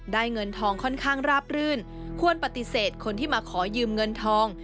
เงินทองค่อนข้างราบรื่นควรปฏิเสธคนที่มาขอยืมเงินทอง